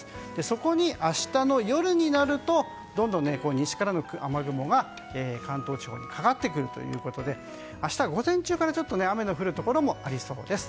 そこに明日の夜になると西からの雨雲が関東地方にかかってくるということで明日は午前中から雨の降るところもありそうです。